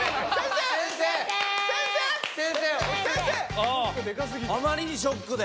あまりにショックで。